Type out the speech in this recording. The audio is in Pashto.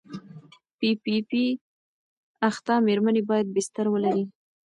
پي پي پي اخته مېرمنې باید بستر ولري.